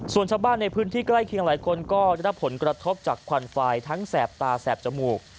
ส่วนชาวบ้านในพื้นที่ใกล้เคียงหลายคนก็ได้รับผลกระทบจากควันไฟทั้งแสบตาแสบจมูก